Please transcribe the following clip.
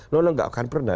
nolong nggak akan pernah